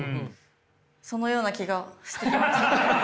そのような気がしてきました。